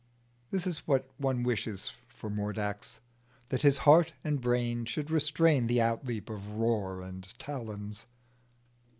This is what one wishes for Mordax that his heart and brain should restrain the outleap of roar and talons.